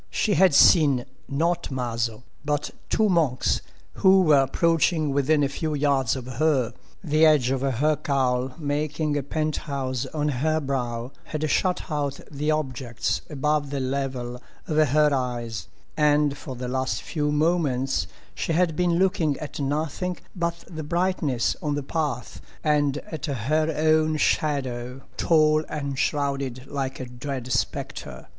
She had seen, not Maso, but—two monks, who were approaching within a few yards of her. The edge of her cowl making a pent house on her brow had shut out the objects above the level of her eyes, and for the last few moments she had been looking at nothing but the brightness on the path and at her own shadow, tall and shrouded like a dread spectre.